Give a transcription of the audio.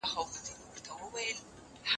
څېړونکی د علمي کارونو په ارزښت پوره پوهېږي.